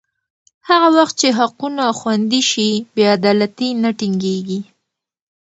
هغه وخت چې حقونه خوندي شي، بې عدالتي نه ټینګېږي.